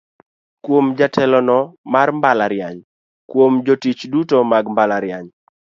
"Kuom: Jatelono mar mbalariany, Kuom: Jotich duto mag mbalariany".